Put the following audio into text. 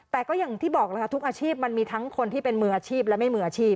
แต่ก็อย่างที่บอกแล้วค่ะทุกอาชีพมันมีทั้งคนที่เป็นมืออาชีพและไม่มืออาชีพ